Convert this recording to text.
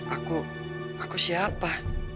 aku aku siapa